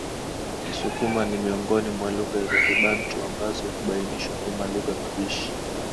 Kisukuma ni miongoni mwa lugha za Kibantu ambazo hubainishwa kama lugha mabishi